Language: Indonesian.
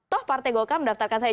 toh partai goka mendaftarkan saja